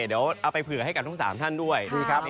เดี๋ยวเอาไปเผื่อให้กับทั้ง๓ท่านด้วย